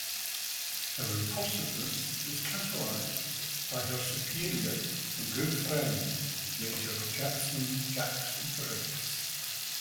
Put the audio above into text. Her impulsiveness is catalyzed by her superior and good friend Major Jackson "Jax" Briggs.